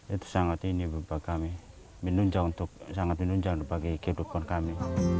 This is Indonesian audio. itu sangat menunjang bagi kehidupan kami